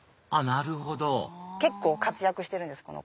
あっなるほど結構活躍してるんです